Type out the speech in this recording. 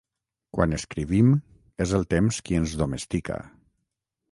Quan escrivim és el temps qui ens domestica.